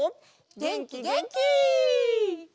げんきげんき！